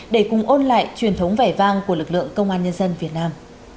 để cùng ôn lại truyền thống vẻ vang của lực lượng công an nhân dân việt nam